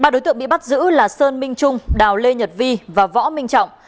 ba đối tượng bị bắt giữ là sơn minh trung đào lê nhật vi và võ minh trọng